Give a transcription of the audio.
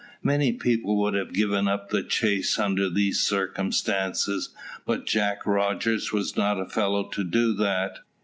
Many people would have given up the chase under these circumstances, but Jack Rogers was not a fellow to do that.